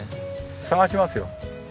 探しますよ。